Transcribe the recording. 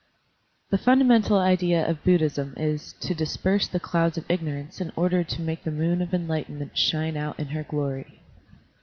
THE fundamental idea of Buddhism is "to disperse the clouds of ignorance in order to make the moon of enlightenment shine out in her glory.